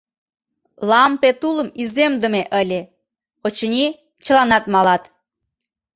Лампе тулым иземдыме ыле: очыни, чыланат малат.